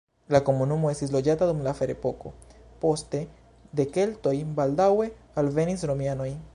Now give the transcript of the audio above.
La komunumo estis loĝata dum la ferepoko, poste de keltoj, baldaŭe alvenis romianoj.